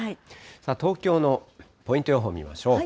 東京のポイント予報見ましょう。